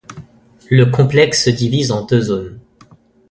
Le complexe se divise en deux zones.